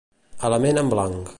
Amb la ment en blanc.